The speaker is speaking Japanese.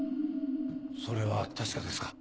それは確かですか？